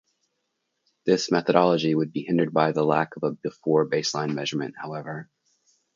This methodology would be hindered by the lack of a "before" baseline measurement, however.